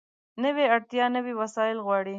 نوې اړتیا نوي وسایل غواړي